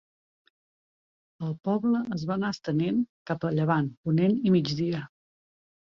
El poble es va anar estenent cap a llevant, ponent i migdia.